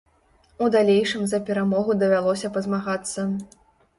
У далейшым за перамогу давялося пазмагацца.